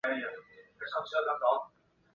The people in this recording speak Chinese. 大部份茶走仍有淡奶这种成份。